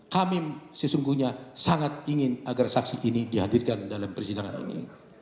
kami sesungguhnya sangat ingin agar saksi ini dihadirkan dalam persidangan ini